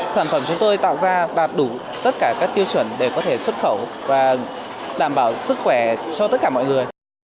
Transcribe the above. sản phẩm chúng tôi tạo ra đạt đủ tất cả các tiêu chuẩn để có thể xuất khẩu và đảm bảo sức khỏe cho tất cả mọi người